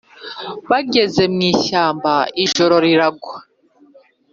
Bageze mu ishyamba, ijoro riragwa